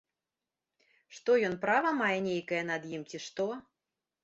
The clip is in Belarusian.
Што ён права мае нейкае над ім, ці што?